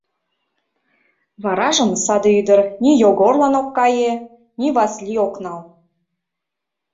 Варажым саде ӱдыр ни Йогорлан ок кае, ни Васлий ок нал.